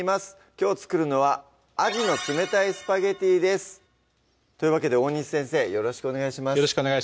きょう作るのは「あじの冷たいスパゲッティ」ですというわけで大西先生よろしくお願いします